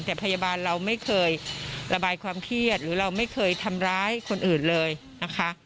แต่พยาบาลเราไม่เคยระบายความเครียดหรือเราไม่เคยทำร้ายคนอื่นเลยนะคะ